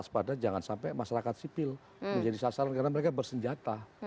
waspada jangan sampai masyarakat sipil menjadi sasaran karena mereka bersenjata